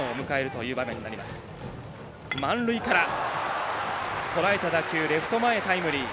とらえた打球レフト前へタイムリー。